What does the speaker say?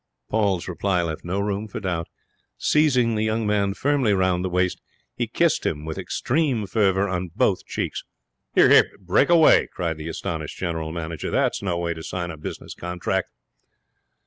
Paul's reply left no room for doubt. Seizing the young man firmly round the waist, he kissed him with extreme fervour on both cheeks. 'Here, break away!' cried the astonished general manager. 'That's no way to sign a business contract.'